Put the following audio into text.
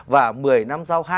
và một mươi năm sau